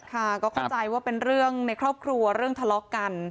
ค่ะก็เข้าใจว่าเป็นเรื่องในครอบครัวเรื่องทะเลาะกัน